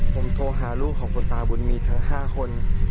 ผมโทรหาลูกของคุณตาบุญมีทั้ง๕คน